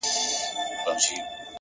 مهرباني د زړونو دروازې پرانیزي!